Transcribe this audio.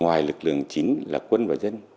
ngoài lực lượng chính là quân và dân